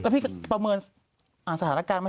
แล้วพี่ก็ประเมินสถานการณ์